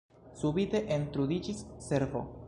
Subite entrudiĝis cervo.